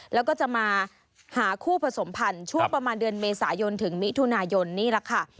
แล้วก็จะมาหาคู่ผสมพันธุ์ช่วงประมาณเดือนเมษายนถึงมิถุนายนนี่แหละค่ะ